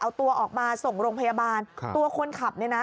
เอาตัวออกมาส่งโรงพยาบาลครับตัวคนขับเนี่ยนะ